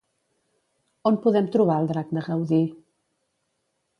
On podem trobar el drac de Gaudí?